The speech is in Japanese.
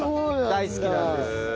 大好きなんです。